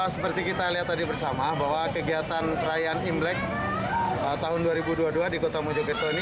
seperti kita lihat tadi bersama bahwa kegiatan perayaan imlek tahun dua ribu dua puluh dua di kota mojokerto ini